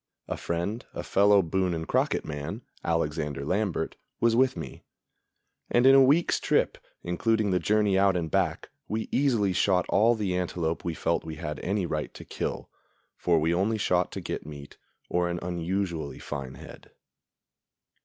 A friend, a fellow Boone and Crockett man, Alexander Lambert, was with me; and in a week's trip, including the journey out and back, we easily shot all the antelope we felt we had any right to kill; for we only shot to get meat, or an unusually fine head.